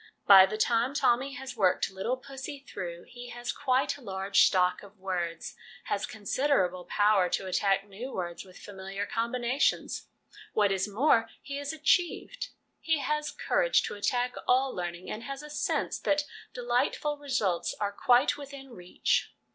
By the time Tommy has worked ' Little Passy' through he has quite a large stock of words; has considerable power to attack new words with familiar combinations ; what is more, he has achieved ; he has courage to attack all ' learning,' and has a sense that delightful results are quite within reach.